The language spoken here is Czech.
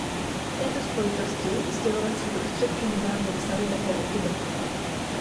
V této spojitosti sdělovací prostředky nedávno psaly také o Tibetu.